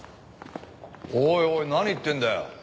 おいおい何言ってんだよ。